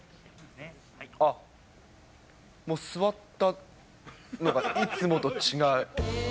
あっ、もう座ったのがいつもと違う。